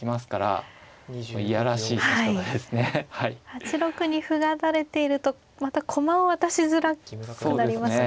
８六に歩が垂れているとまた駒を渡しづらくなりますね。